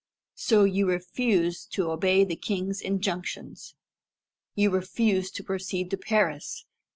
So you refuse to obey the king's injunctions. You refuse to proceed to Paris.